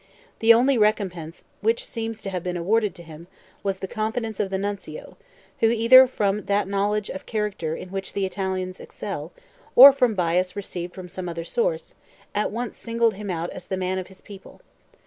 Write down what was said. The only recompense which seems to have been awarded to him, was the confidence of the Nuncio, who, either from that knowledge of character in which the Italians excel, or from bias received from some other source, at once singled him out as the man of his people.